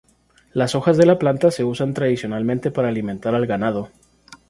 Las hojas de la planta se usan tradicionalmente para alimentar al ganado.